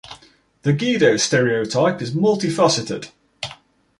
The guido stereotype is multi-faceted.